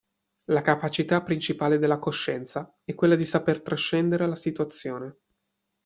La capacità principale della coscienza è quella di saper trascendere la situazione.